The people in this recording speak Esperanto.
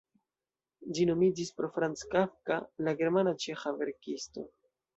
Ĝi nomiĝis pro Franz Kafka, la germana-ĉeĥa verkisto.